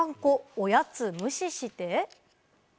おやつ無視して。